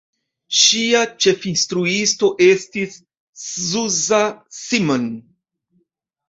Ŝia ĉefinstruisto estis Zsuzsa Simon.